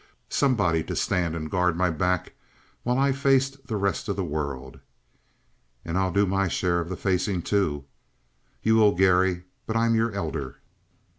Somebody to stand and guard my back while I faced the rest of the world?" "And I'll do my share of the facing, too." "You will, Garry. But I'm your elder."